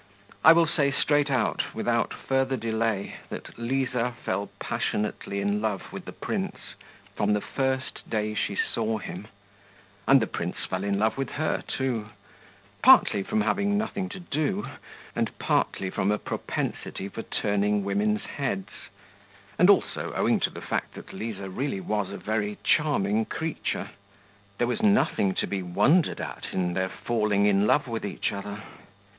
I will say straight out without further delay that Liza fell passionately in love with the prince from the first day she saw him, and the prince fell in love with her too partly from having nothing to do, and partly from a propensity for turning women's heads, and also owing to the fact that Liza really was a very charming creature. There was nothing to be wondered at in their falling in love with each other.